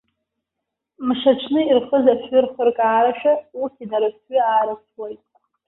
Мшаҽны ирхыз афҩы рхыркаарашәа, урҭ инарыфҩы-аарыфҩуеит.